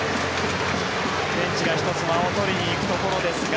ベンチが１つ間を取りにいくところですが。